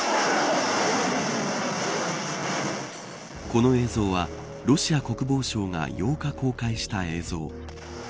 この映像はロシア国防省が８日公開した映像。